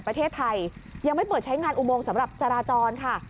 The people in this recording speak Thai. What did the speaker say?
ประเทศไทยยังไม่เปิดใช้งานอุโมงสำหรับจราจรค่ะ